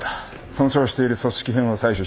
損傷している組織片を採取してくれ。